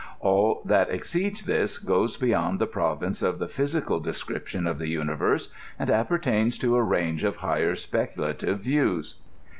All that exceeds this goes beyond the province of the physical descrip tion of the universe, and appertains to a range of higher spec ulative views.